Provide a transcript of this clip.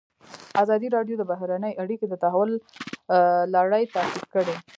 ازادي راډیو د بهرنۍ اړیکې د تحول لړۍ تعقیب کړې.